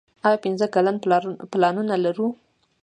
آیا پنځه کلن پلانونه لرو؟